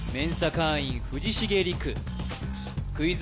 会員藤重吏玖クイズ